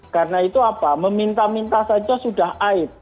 karena itu apa meminta minta saja sudah aib